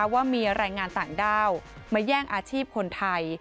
ว่ามีแรงงานต่างด้าวมาแย่งอาชีพคนไทย